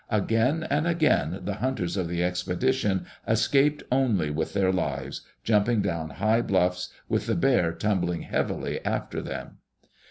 Again and again the hunters of the expedition escaped only with their lives — jumping down high bluffs, with the bear tumbling heavily after them.